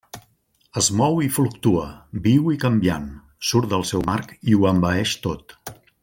Es mou i fluctua, viu i canviant, surt del seu marc i ho envaeix tot.